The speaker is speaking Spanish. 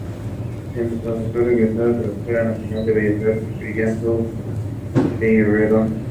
Es Profesora egresada Escuela Nacional de Bellas Artes Prilidiano Pueyrredón.